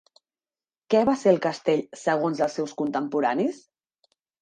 Què va ser el castell segons els seus contemporanis?